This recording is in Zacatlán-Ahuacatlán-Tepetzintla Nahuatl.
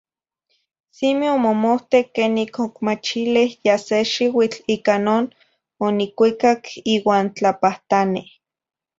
Simi omomohte quenic ocmachile ya se xiuitl ica non onicuicac iuan tlapahtane.